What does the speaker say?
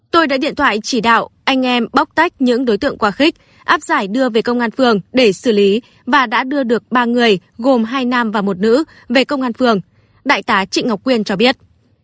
tôi đã điện thoại chỉ đạo anh em bóc tách những đối tượng quá khích áp giải đưa về công an phường để xử lý và đã đưa được ba người gồm hai nam và một nữ về công an phường đại tá trịnh ngọc quyên cho biết